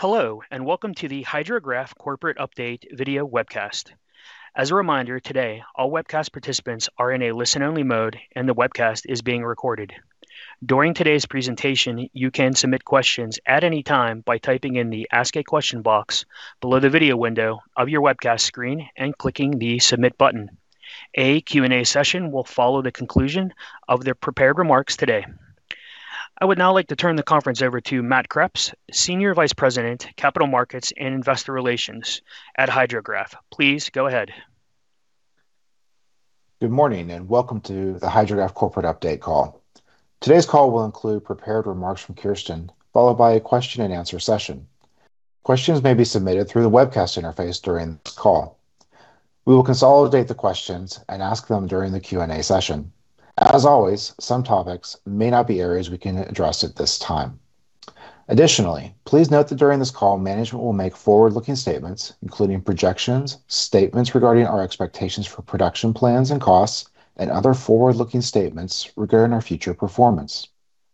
Hello, and welcome to the HydroGraph Corporate Update video webcast. As a reminder, today, all webcast participants are in a listen-only mode, and the webcast is being recorded. During today's presentation, you can submit questions at any time by typing in the Ask a Question box below the video window of your webcast screen and clicking the Submit button. A Q&A session will follow the conclusion of the prepared remarks today. I would now like to turn the conference over to Matt Kreps, Senior Vice President, Capital Markets and Investor Relations at HydroGraph. Please go ahead. Good morning, and welcome to the HydroGraph Corporate Update call. Today's call will include prepared remarks from Kjirstin, followed by a question-and-answer session. Questions may be submitted through the webcast interface during this call. We will consolidate the questions and ask them during the Q&A session. As always, some topics may not be areas we can address at this time. Additionally, please note that during this call, management will make forward-looking statements, including projections, statements regarding our expectations for production plans and costs, and other forward-looking statements regarding our future performance.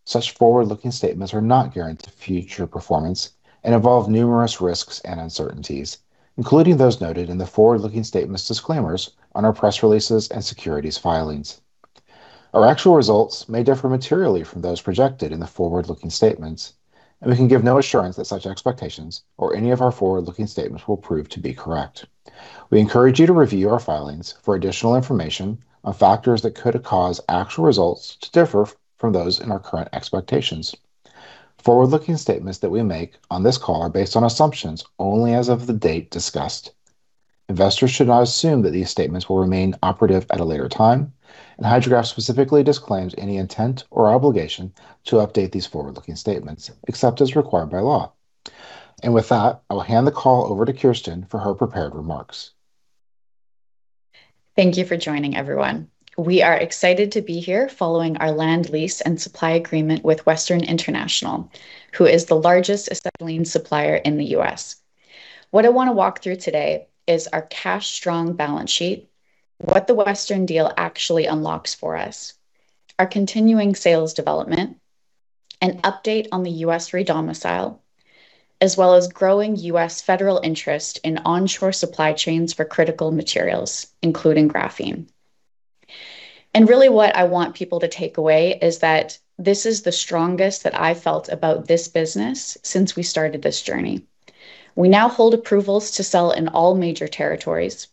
Such forward-looking statements are not guaranteed future performance and involve numerous risks and uncertainties, including those noted in the forward-looking statements disclaimers on our press releases and securities filings. Our actual results may differ materially from those projected in the forward-looking statements, and we can give no assurance that such expectations or any of our forward-looking statements will prove to be correct. We encourage you to review our filings for additional information on factors that could cause actual results to differ from those in our current expectations. Forward-looking statements that we make on this call are based on assumptions only as of the date discussed. Investors should not assume that these statements will remain operative at a later time, and HydroGraph specifically disclaims any intent or obligation to update these forward-looking statements except as required by law. With that, I will hand the call over to Kjirstin for her prepared remarks. Thank you for joining, everyone. We are excited to be here following our land lease and supply agreement with Western International, who is the largest acetylene supplier in the U.S. What I want to walk through today is our cash strong balance sheet, what the Western deal actually unlocks for us, our continuing sales development, an update on the U.S. redomicile, as well as growing U.S. federal interest in onshore supply chains for critical materials, including graphene. And really, what I want people to take away is that this is the strongest that I've felt about this business since we started this journey. We now hold approvals to sell in all major territories.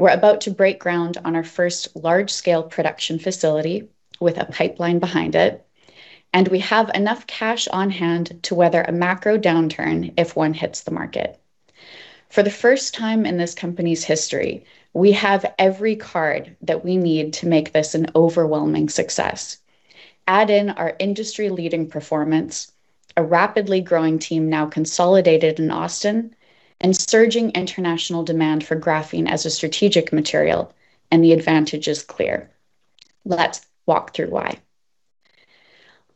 We're about to break ground on our first large-scale production facility with a pipeline behind it. And we have enough cash on hand to weather a macro downturn if one hits the market. For the first time in this company's history, we have every card that we need to make this an overwhelming success. Add in our industry-leading performance, a rapidly growing team now consolidated in Austin, and surging international demand for graphene as a strategic material, and the advantage is clear. Let's walk through why.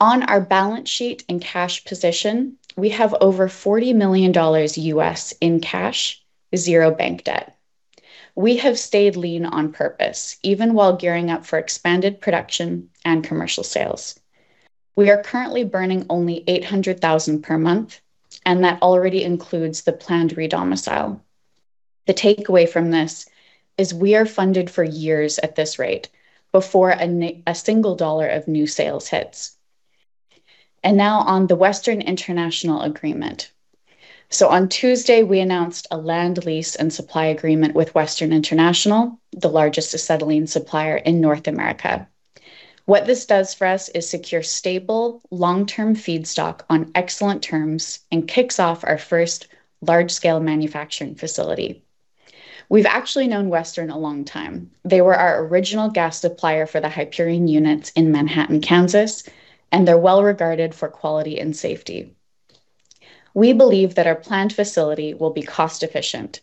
On our balance sheet and cash position, we have over $40 million in cash, zero bank debt. We have stayed lean on purpose, even while gearing up for expanded production and commercial sales. We are currently burning only $800,000 per month, and that already includes the planned redomicile. The takeaway from this is we are funded for years at this rate before a single dollar of new sales hits. And now, on the Western International agreement. On Tuesday, we announced a land lease and supply agreement with Western International, the largest acetylene supplier in North America. What this does for us is secure stable, long-term feedstock on excellent terms and kicks off our first large-scale manufacturing facility. We've actually known Western a long time. They were our original gas supplier for the Hyperion units in Manhattan, Kansas, and they're well-regarded for quality and safety. We believe that our planned facility will be cost-efficient.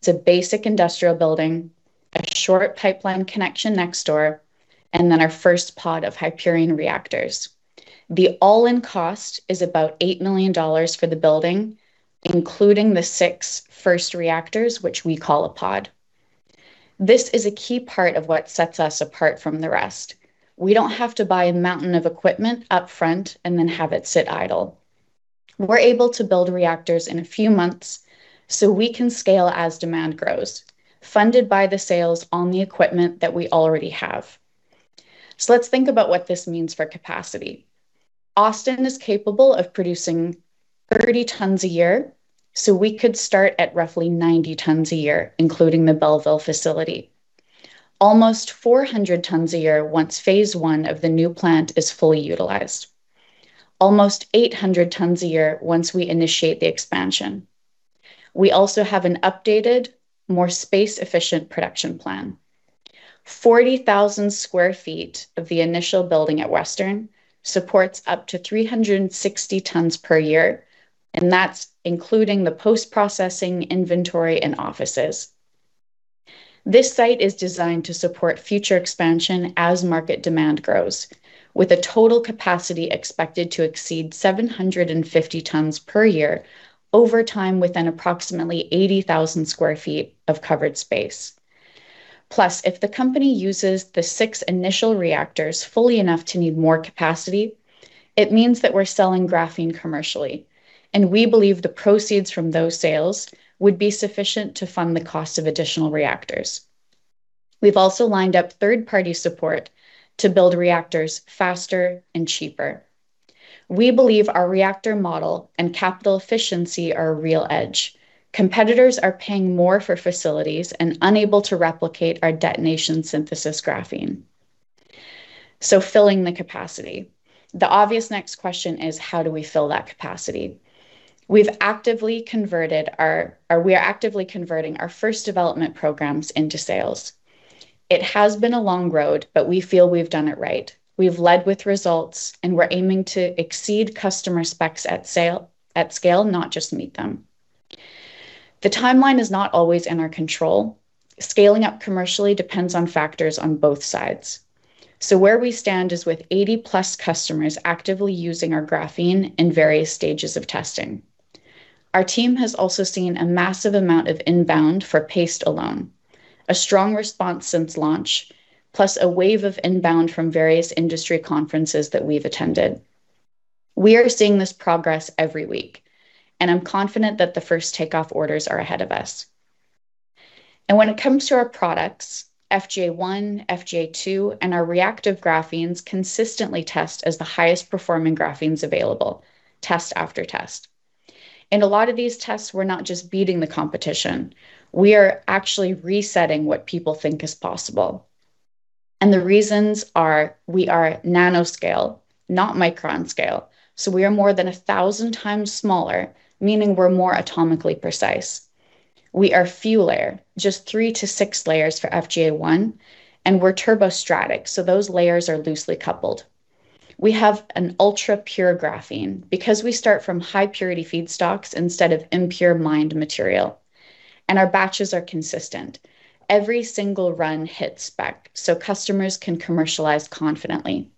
It's a basic industrial building, a short pipeline connection next door, and then our first pod of Hyperion reactors. The all-in cost is about $8 million for the building, including the six first reactors, which we call a pod. This is a key part of what sets us apart from the rest. We don't have to buy a mountain of equipment upfront and then have it sit idle. We're able to build reactors in a few months, so we can scale as demand grows, funded by the sales on the equipment that we already have. Let's think about what this means for capacity. Austin is capable of producing 30 tons a year, so we could start at roughly 90 tons a year, including the Bellville facility. Almost 400 tons a year once Phase 1 of the new plant is fully utilized. Almost 800 tons a year once we initiate the expansion. We also have an updated, more space-efficient production plan. 40,000 sq ft of the initial building at Western supports up to 360 tons per year, and that's including the post-processing inventory and offices. This site is designed to support future expansion as market demand grows, with a total capacity expected to exceed 750 tons per year over time within approximately 80,000 sq ft of covered space. Plus, if the company uses the six initial reactors fully enough to need more capacity, it means that we're selling graphene commercially, and we believe the proceeds from those sales would be sufficient to fund the cost of additional reactors. We've also lined up third-party support to build reactors faster and cheaper. We believe our reactor model and capital efficiency are a real edge. Competitors are paying more for facilities and unable to replicate our detonation synthesis graphene. So, filling the capacity. The obvious next question is: how do we fill that capacity? We are actively converting our first development programs into sales. It has been a long road, but we feel we've done it right. We've led with results, and we're aiming to exceed customer specs at scale, not just meet them. The timeline is not always in our control. Scaling up commercially depends on factors on both sides. So, where we stand is with 80+ customers actively using our graphene in various stages of testing. Our team has also seen a massive amount of inbound for paste alone, a strong response since launch, plus a wave of inbound from various industry conferences that we've attended. We are seeing this progress every week, and I'm confident that the first takeoff orders are ahead of us. When it comes to our products, FGA-1, FGA-2, and our reactive graphene consistently test as the highest performing graphenes available, test after test. In a lot of these tests, we're not just beating the competition, we are actually resetting what people think is possible, and the reasons are we are nanoscale, not micron scale. So, we are more than 1,000 times smaller, meaning we're more atomically precise. We are few-layer, just three to six layers for FGA-1, and we're turbostratic, so those layers are loosely coupled. We have an ultra-pure graphene because we start from high purity feedstocks instead of impure mined material. And our batches are consistent. Every single run hits spec, so customers can commercialize confidently.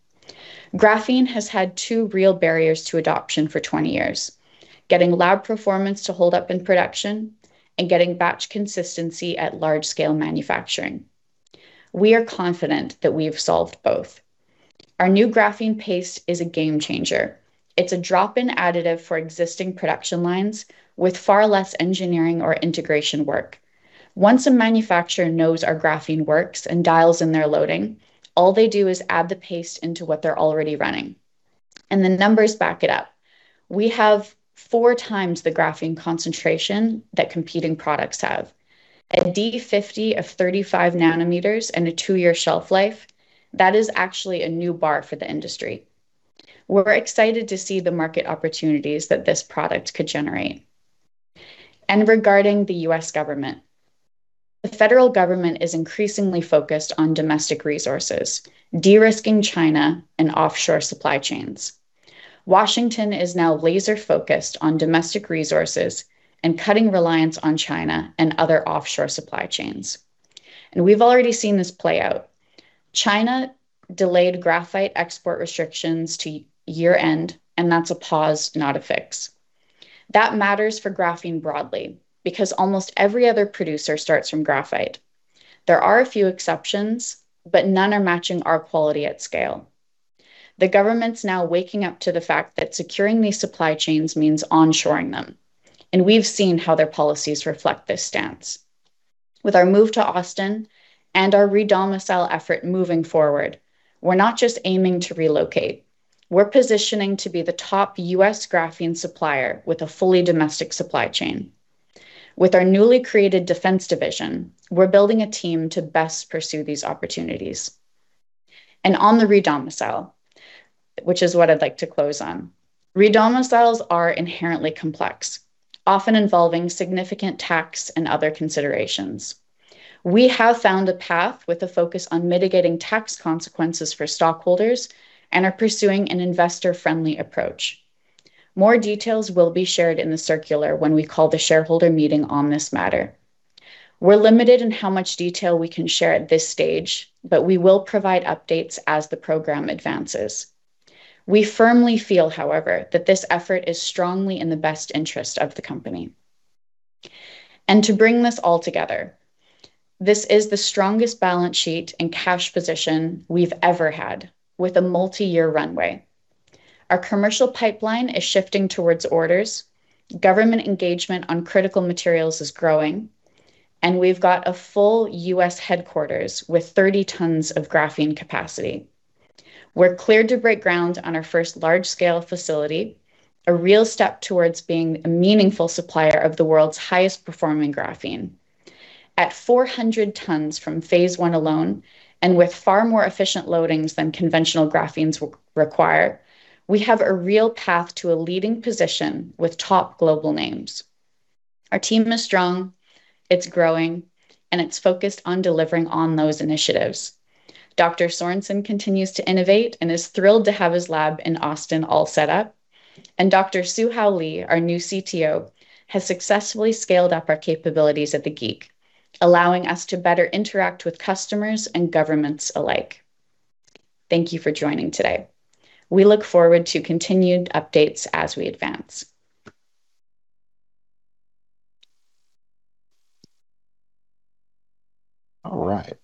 Graphene has had two real barriers to adoption for 20 years: getting lab performance to hold up in production and getting batch consistency at large scale manufacturing. We are confident that we've solved both. Our new graphene paste is a game changer. It's a drop-in additive for existing production lines with far less engineering or integration work. Once a manufacturer knows our graphene works and dials in their loading, all they do is add the paste into what they're already running. And the numbers back it up. We have four times the graphene concentration that competing products have. A D50 of 35 nm and a two-year shelf life, that is actually a new bar for the industry. We're excited to see the market opportunities that this product could generate. Regarding the U.S. government, the federal government is increasingly focused on domestic resources, de-risking China and offshore supply chains. Washington is now laser focused on domestic resources and cutting reliance on China and other offshore supply chains. We've already seen this play out. China delayed graphite export restrictions to year end, and that's a pause, not a fix. That matters for graphene broadly because almost every other producer starts from graphite. There are a few exceptions, but none are matching our quality at scale. The government's now waking up to the fact that securing these supply chains means onshoring them, and we've seen how their policies reflect this stance. With our move to Austin and our redomicile effort moving forward, we're not just aiming to relocate. We're positioning to be the top U.S. graphene supplier with a fully domestic supply chain. With our newly created defense division, we're building a team to best pursue these opportunities. On the redomicile, which is what I'd like to close on, redomiciles are inherently complex, often involving significant tax and other considerations. We have found a path with a focus on mitigating tax consequences for stockholders and are pursuing an investor-friendly approach. More details will be shared in the circular when we call the shareholder meeting on this matter. We're limited in how much detail we can share at this stage, but we will provide updates as the program advances. We firmly feel, however, that this effort is strongly in the best interest of the company. To bring this all together, this is the strongest balance sheet and cash position we've ever had with a multi-year runway. Our commercial pipeline is shifting towards orders, government engagement on critical materials is growing, and we've got a full U.S. headquarters with 30 tons of graphene capacity. We're cleared to break ground on our first large scale facility, a real step towards being a meaningful supplier of the world's highest performing graphene. At 400 tons from Phase 1 alone, and with far more efficient loadings than conventional graphenes require, we have a real path to a leading position with top global names. Our team is strong, it's growing, and it's focused on delivering on those initiatives. Dr. Sorensen continues to innovate and is thrilled to have his lab in Austin all set up, and Dr. Suhao Li, our new CTO, has successfully scaled up our capabilities at the GEIC, allowing us to better interact with customers and governments alike. Thank you for joining today. We look forward to continued updates as we advance. All right.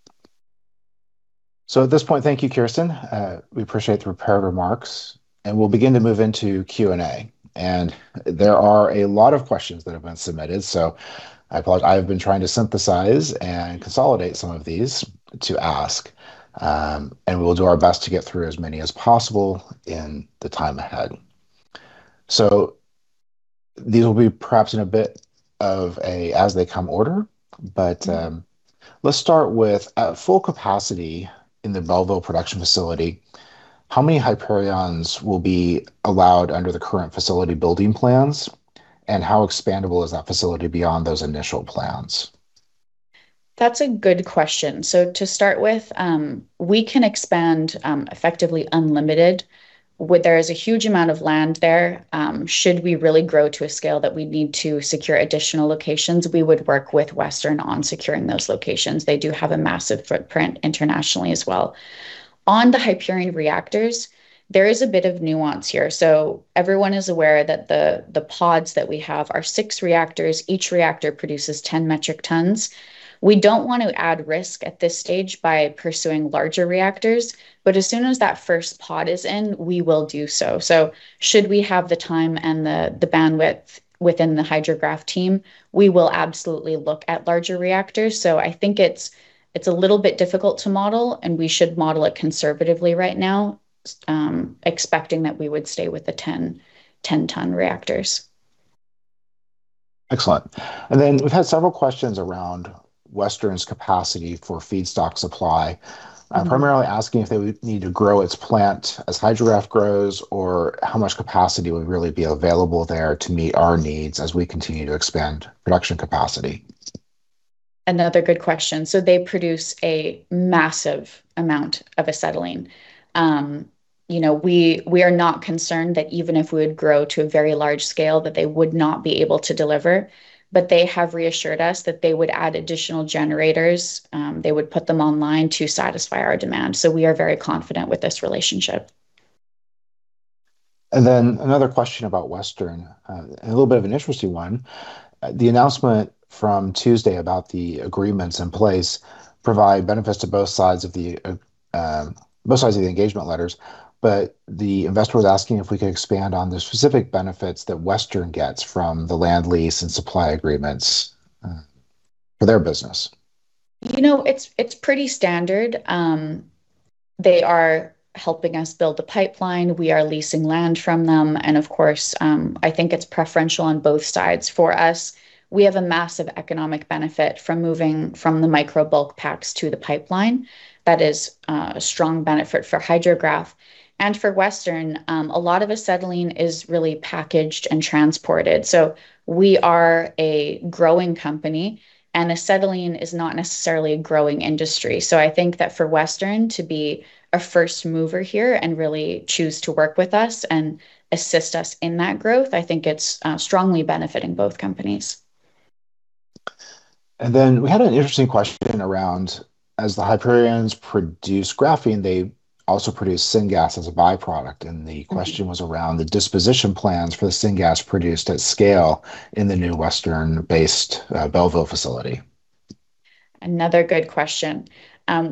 At this point, thank you, Kjirstin. We appreciate the prepared remarks. We'll begin to move into Q&A. There are a lot of questions that have been submitted, so I apologize. I have been trying to synthesize and consolidate some of these to ask. We'll do our best to get through as many as possible in the time ahead. These will be perhaps in a bit of a as they come order. Let's start with at full capacity in the Bellville production facility, how many Hyperions will be allowed under the current facility building plans? And how expandable is that facility beyond those initial plans? That's a good question. To start with, we can expand effectively unlimited. There is a huge amount of land there. Should we really grow to a scale that we'd need to secure additional locations, we would work with Western on securing those locations. They do have a massive footprint internationally as well. On the Hyperion reactors, there is a bit of nuance here. Everyone is aware that the pods that we have are six reactors. Each reactor produces 10 metric tons. We don't want to add risk at this stage by pursuing larger reactors, but as soon as that first pod is in, we will do so. Should we have the time and the bandwidth within the HydroGraph team, we will absolutely look at larger reactors. I think it's a little bit difficult to model, and we should model it conservatively right now, expecting that we would stay with the 10 ton reactors. Excellent. We've had several questions around Western's capacity for feedstock supply. Primarily asking if they would need to grow its plant as HydroGraph grows, or how much capacity would really be available there to meet our needs as we continue to expand production capacity? Another good question. So, they produce a massive amount of acetylene. We are not concerned that even if we would grow to a very large scale, that they would not be able to deliver, but they have reassured us that they would add additional generators, they would put them online to satisfy our demand. So, we are very confident with this relationship. Then, another question about Western, a little bit of an interesting one. The announcement from Tuesday about the agreements in place provide benefits to both sides of the engagement letters. But the investor was asking if we could expand on the specific benefits that Western gets from the land lease and supply agreements for their business. It's pretty standard. They are helping us build a pipeline. We are leasing land from them. And of course, I think it's preferential on both sides. For us, we have a massive economic benefit from moving from the micro bulk packs to the pipeline. That is a strong benefit for HydroGraph. And for Western, a lot of acetylene is really packaged and transported. So, we are a growing company, and acetylene is not necessarily a growing industry. So, I think that for Western to be a first mover here and really choose to work with us and assist us in that growth, I think it's strongly benefiting both companies. Then, we had an interesting question around, as the Hyperions produce graphene, they also produce syngas as a byproduct. The question was around the disposition plans for the syngas produced at scale in the new Western based Bellville facility. Another good question.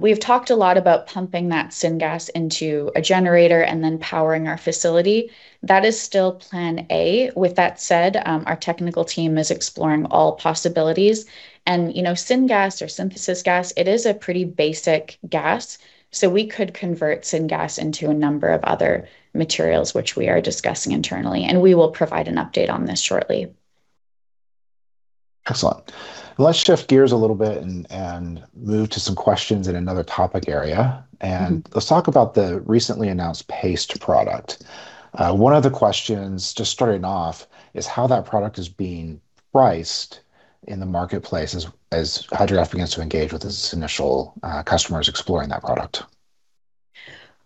We've talked a lot about pumping that syngas into a generator and then powering our facility. That is still plan A. With that said, our technical team is exploring all possibilities. And, you know, syngas or synthesis gas, it is a pretty basic gas, so we could convert syngas into a number of other materials, which we are discussing internally. We will provide an update on this shortly. Excellent. Let's shift gears a little bit and move to some questions in another topic area. Let's talk about the recently announced paste product. One of the questions, just starting off, is how that product is being priced in the marketplace as HydroGraph begins to engage with its initial customers exploring that product.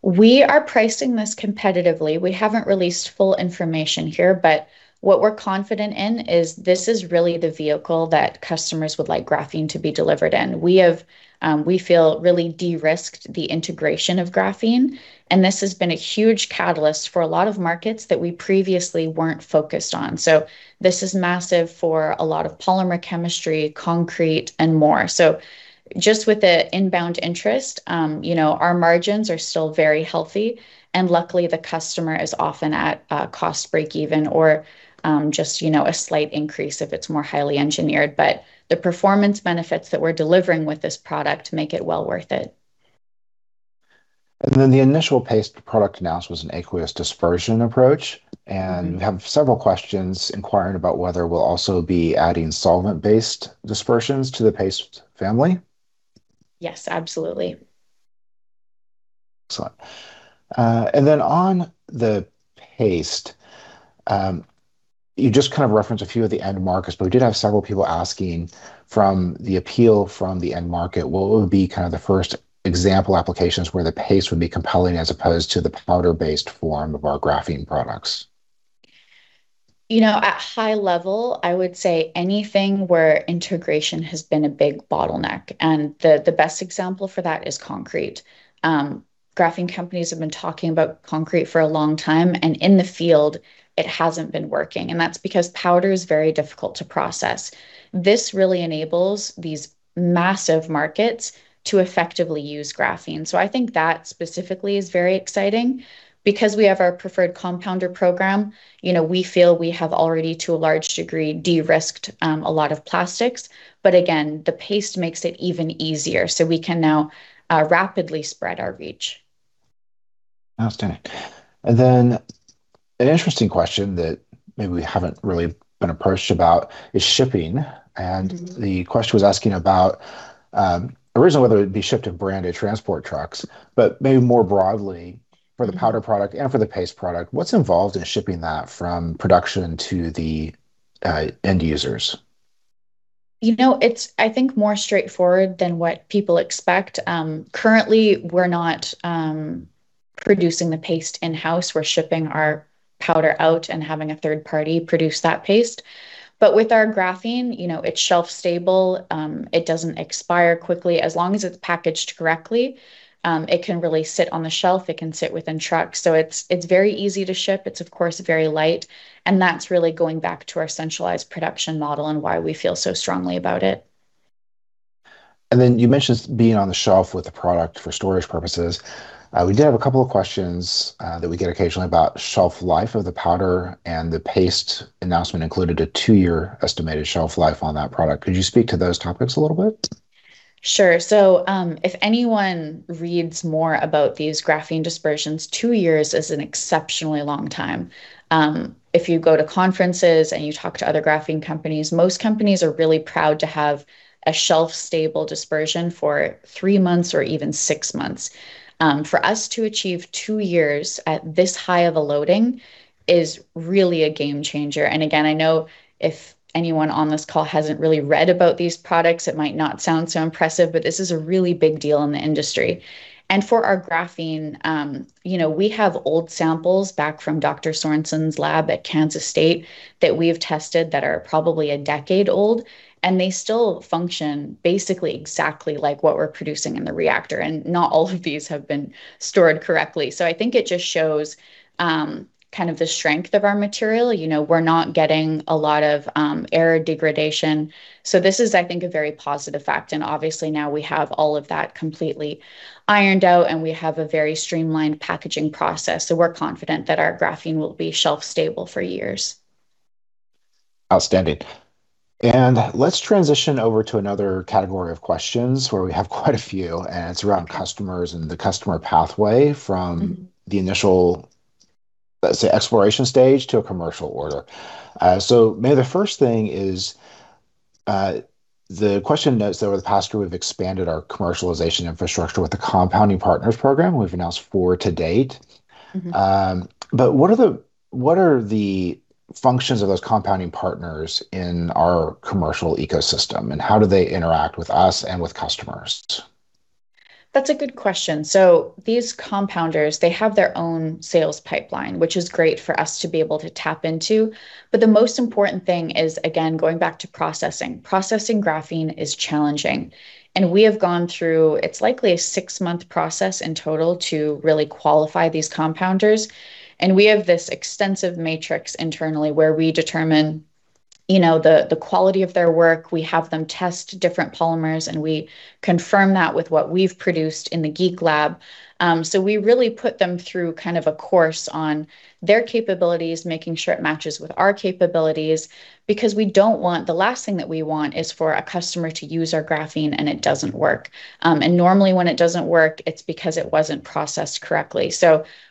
We are pricing this competitively. We haven't released full information here, but what we're confident in is this is really the vehicle that customers would like graphene to be delivered in. We feel, really de-risked the integration of graphene, and this has been a huge catalyst for a lot of markets that we previously weren't focused on. This is massive for a lot of polymer chemistry, concrete, and more. Just with the inbound interest, our margins are still very healthy, and luckily, the customer is often at cost break even or just a slight increase if it's more highly engineered. But the performance benefits that we're delivering with this product make it well worth it. Then, the initial paste product announced was an aqueous dispersion approach. We have several questions inquiring about whether we'll also be adding solvent based dispersions to the paste family. Yes, absolutely. Excellent. Then on the paste, you just referenced a few of the end markets, but we did have several people asking from the appeal from the end market, what would be kind of the first example applications where the paste would be compelling as opposed to the powder based form of our graphene products? At high level, I would say anything where integration has been a big bottleneck. The best example for that is concrete. Graphene companies have been talking about concrete for a long time, and in the field, it hasn't been working, and that's because powder is very difficult to process. This really enables these massive markets to effectively use graphene. I think that specifically is very exciting because we have our preferred compounder program. We feel we have already, to a large degree, de-risked a lot of plastics, but again, the paste makes it even easier. So, we can now rapidly spread our reach. Outstanding. Then an interesting question that maybe we haven't really been approached about is shipping. The question was asking about, originally whether it would be shipped in branded transport trucks, but maybe more broadly for the powder product and for the paste product, what's involved in shipping that from production to the end users? It's I think more straightforward than what people expect. Currently, we're not producing the paste in-house. We're shipping our powder out and having a third party produce that paste. But with our graphene, it's shelf stable. It doesn't expire quickly. As long as it's packaged correctly, it can really sit on the shelf. It can sit within trucks, so it's very easy to ship. It's of course very light, and that's really going back to our centralized production model and why we feel so strongly about it. Then, you mentioned being on the shelf with the product for storage purposes. We did have a couple of questions that we get occasionally about shelf life of the powder, and the paste announcement included a two-year estimated shelf life on that product. Could you speak to those topics a little bit? Sure. So, if anyone reads more about these graphene dispersions, two years is an exceptionally long time. If you go to conferences and you talk to other graphene companies, most companies are really proud to have a shelf stable dispersion for three months or even six months. For us to achieve two years at this high of a loading is really a game changer. Again, I know if anyone on this call hasn't really read about these products, it might not sound so impressive, but this is a really big deal in the industry. For our graphene, we have old samples back from Dr. Sorensen's lab at Kansas State that we've tested that are probably a decade old, and they still function basically exactly like what we're producing in the reactor, and not all of these have been stored correctly. So, I think it just shows the strength of our material. We're not getting a lot of air degradation, so this is, I think, a very positive fact. Obviously, now we have all of that completely ironed out, and we have a very streamlined packaging process, so we're confident that our graphene will be shelf stable for years. Outstanding. Let's transition over to another category of questions where we have quite a few, and it's around customers and the customer pathway from the initial, let's say, exploration stage to a commercial order. Maybe, the first thing is the question notes that over the past year, we've expanded our commercialization infrastructure with the Compounding Partners Program, we've announced four to date. What are the functions of those compounding partners in our commercial ecosystem, and how do they interact with us and with customers? That's a good question. These compounders, they have their own sales pipeline, which is great for us to be able to tap into. But the most important thing is, again, going back to processing. Processing graphene is challenging, and we have gone through, it's likely a six-month process in total to really qualify these compounders, and we have this extensive matrix internally where we determine the quality of their work. We have them test different polymers, and we confirm that with what we've produced in the GEIC lab. We really put them through kind of a course on their capabilities, making sure it matches with our capabilities because we don't want, the last thing that we want is for a customer to use our graphene and it doesn't work. And normally, when it doesn't work, it's because it wasn't processed correctly.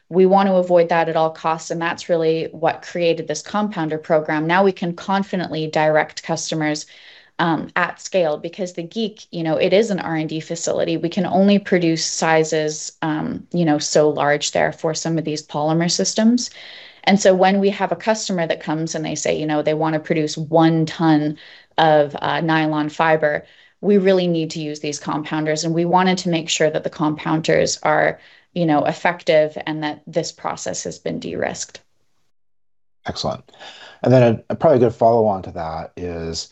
We want to avoid that at all costs, and that's really what created this compounder program. Now, we can confidently direct customers at scale because the GEIC, it is an R&D facility. We can only produce sizes so large there for some of these polymer systems. And so, when we have a customer that comes and they say they want to produce 1 ton of nylon fiber, we really need to use these compounders, and we wanted to make sure that the compounders are effective and that this process has been de-risked. Excellent. Then, probably a good follow-on to that is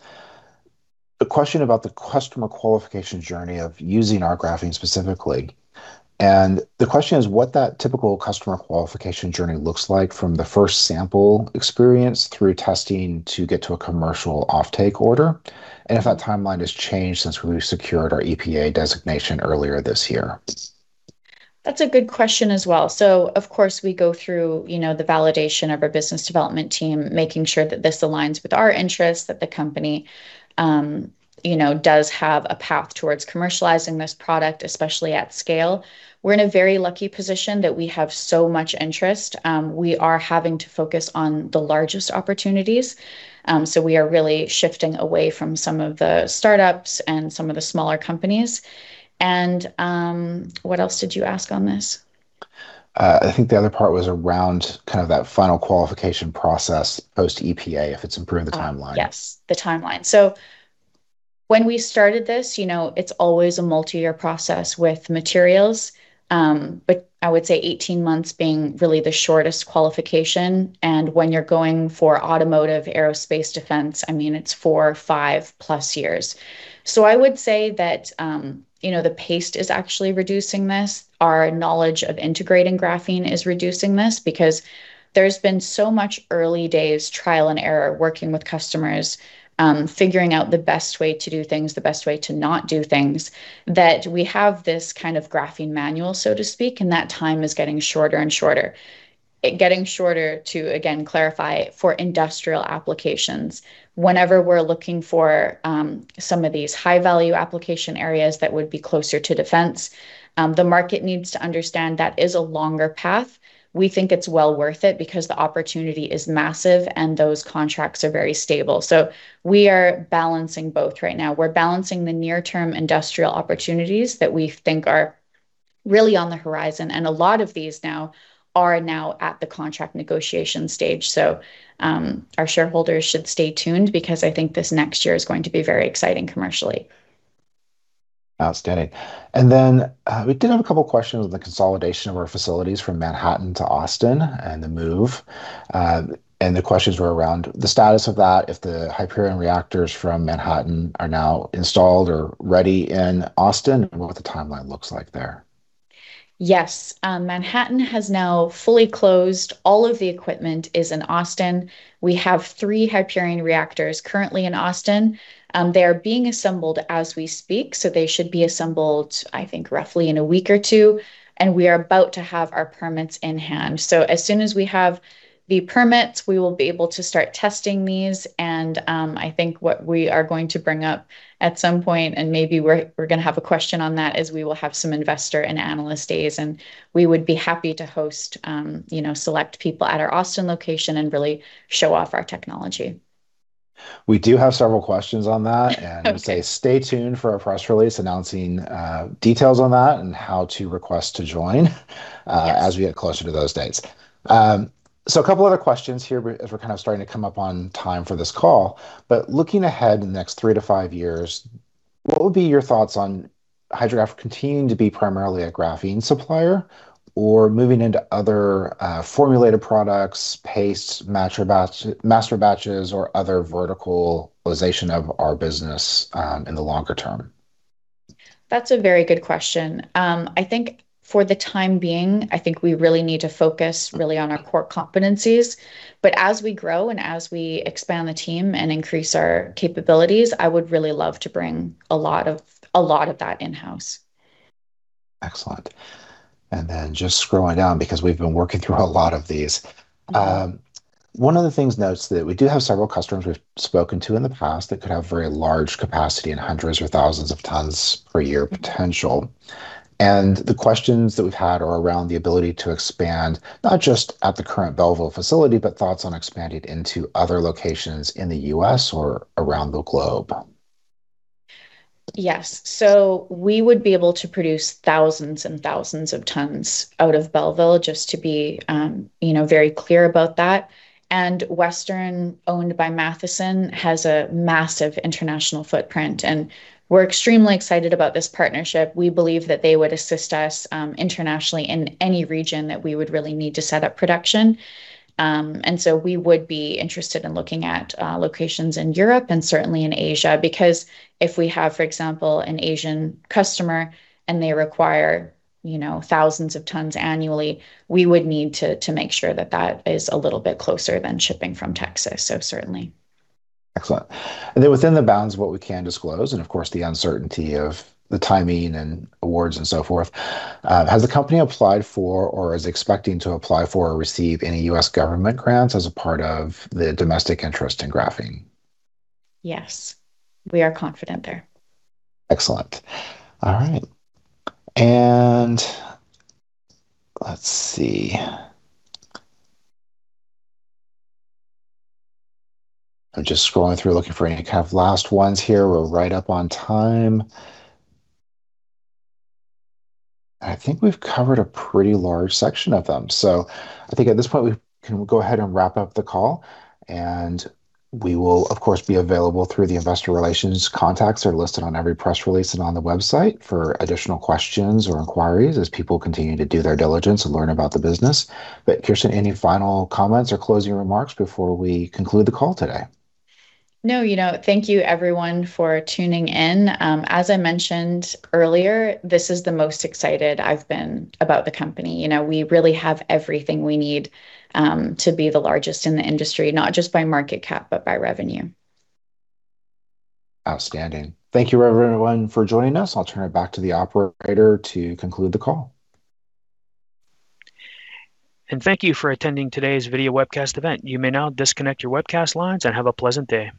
the question about the customer qualification journey of using our graphene specifically. The question is what that typical customer qualification journey looks like from the first sample experience through testing to get to a commercial offtake order, and if that timeline has changed since we secured our EPA designation earlier this year. That's a good question as well. Of course, we go through the validation of our business development team, making sure that this aligns with our interests, that the company does have a path towards commercializing this product, especially at scale. We're in a very lucky position that we have so much interest. We are having to focus on the largest opportunities. So, we are really shifting away from some of the startups and some of the smaller companies. And what else did you ask on this? I think the other part was around kind of that final qualification process post-EPA, if it's improved the timeline. Yes. The timeline. When we started this, it's always a multi-year process with materials. I would say 18 months being really the shortest qualification, and when you're going for automotive aerospace defense, I mean, it's four- or five-plus years. So, I would say that the pace is actually reducing this. Our knowledge of integrating graphene is reducing this because there's been so much early days trial and error working with customers, figuring out the best way to do things, the best way to not do things, that we have this kind of graphene manual, so to speak, and that time is getting shorter and shorter. Getting shorter, to again clarify, for industrial applications. Whenever we're looking for some of these high-value application areas that would be closer to defense, the market needs to understand that is a longer path. We think it's well worth it because the opportunity is massive, and those contracts are very stable. We are balancing both right now. We're balancing the near-term industrial opportunities that we think are really on the horizon, and a lot of these now are at the contract negotiation stage. Our shareholders should stay tuned because I think this next year is going to be very exciting commercially. Outstanding. Then, we did have a couple questions on the consolidation of our facilities from Manhattan to Austin and the move. The questions were around the status of that, if the Hyperion reactors from Manhattan are now installed or ready in Austin, and what the timeline looks like there. Yes. Manhattan has now fully closed. All of the equipment is in Austin. We have three Hyperion reactors currently in Austin. They are being assembled as we speak, so they should be assembled, I think, roughly in a week or two, and we are about to have our permits in hand. As soon as we have the permits, we will be able to start testing these, and I think what we are going to bring up at some point, and maybe we're going to have a question on that, is we will have some investor and analyst days, and we would be happy to host select people at our Austin location and really show off our technology. We do have several questions on that. Okay. Would say stay tuned for our press release announcing details on that and how to request to join. Yes. As we get closer to those dates. So, a couple other questions here as we're kind of starting to come up on time for this call. But looking ahead in the next three to five years, what would be your thoughts on HydroGraph continuing to be primarily a graphene supplier or moving into other formulated products, pastes, masterbatches, or other verticalization of our business in the longer term? That's a very good question. I think for the time being, I think we really need to focus really on our core competencies. But as we grow and as we expand the team and increase our capabilities, I would really love to bring a lot of that in-house. Excellent. And then, just scrolling down, because we've been working through a lot of these, one of the things notes that we do have several customers we've spoken to in the past that could have very large capacity in hundreds or thousands of tons per year potential. The questions that we've had are around the ability to expand, not just at the current Bellville facility, but thoughts on expanding into other locations in the U.S. or around the globe. Yes. We would be able to produce thousands and thousands of tons out of Bellville, just to be very clear about that. Western, owned by Matheson, has a massive international footprint, and we're extremely excited about this partnership. We believe that they would assist us internationally in any region that we would really need to set up production. We would be interested in looking at locations in Europe and certainly in Asia because if we have, for example, an Asian customer and they require thousands of tons annually, we would need to make sure that that is a little bit closer than shipping from Texas, certainly. Excellent. Within the bounds of what we can disclose, and of course the uncertainty of the timing and awards and so forth, has the company applied for or is expecting to apply for or receive any U.S. government grants as a part of the domestic interest in graphene? Yes. We are confident there. Excellent. All right. Let's see. I'm just scrolling through, looking for any kind of last ones here. We're right up on time. I think we've covered a pretty large section of them. I think at this point we can go ahead and wrap up the call, and we will, of course, be available through the Investor Relations contacts that are listed on every press release and on the website for additional questions or inquiries as people continue to do their diligence and learn about the business. Kjirstin, any final comments or closing remarks before we conclude the call today? No. Thank you everyone for tuning in. As I mentioned earlier, this is the most excited I've been about the company. We really have everything we need to be the largest in the industry, not just by market cap, but by revenue. Outstanding. Thank you, everyone, for joining us. I'll turn it back to the operator to conclude the call. Thank you for attending today's video webcast event. You may now disconnect your webcast lines, and have a pleasant day.